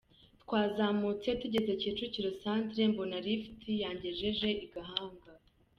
Twazamutse tugeze Kicukiro Centre mbona lift yangejeje i Gahanga.